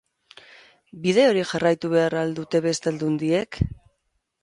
Bide hori jarraitu behar al dute beste aldundiek?